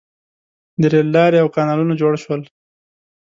• د رېل لارې او کانالونه جوړ شول.